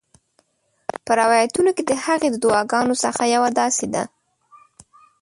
په روایتونو کې د هغې د دعاګانو څخه یوه داسي ده: